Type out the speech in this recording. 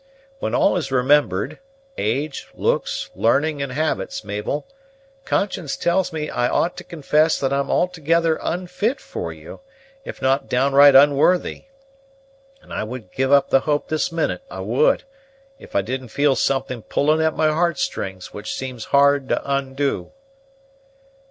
When all is remembered, age, looks, learning, and habits, Mabel, conscience tells me I ought to confess that I'm altogether unfit for you, if not downright unworthy; and I would give up the hope this minute, I would, if I didn't feel something pulling at my heart strings which seems hard to undo."